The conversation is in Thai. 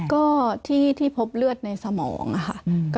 ก็ที่พบเลือดในสมองค่ะ